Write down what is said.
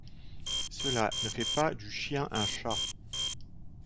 Cela ne fait pas du chien un chat.